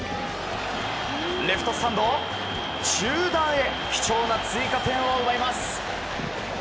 レフトスタンド中段へ貴重な追加点を奪います。